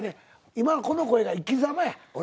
今この声が生きざまや俺の。